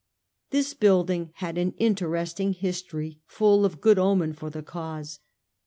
This building had an interesting his tory full of good omen for the cause.